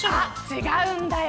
違うんだよ。